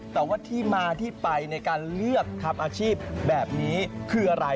แต่ว่าที่มาที่ไปในการเลือกทำอาชีพแบบนี้คืออะไร